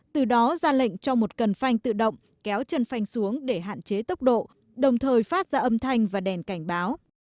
từ đó ra lệnh cho một cần phanh tự động kéo chân phanh xuống để hạn chế tốc độ đồng thời phát ra âm thanh và đèn cảnh báo